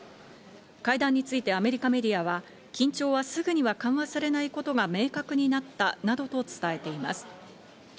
会談についてアメリカメディアは、緊張はすぐには緩和されないことが明確になったなどと伝えています。